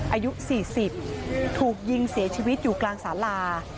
อายุ๔๐ถูกยิงเสียชีวิตอยู่กลางสาลา